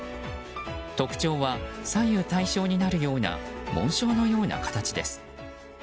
特徴は左右対称になるような紋章のような形です。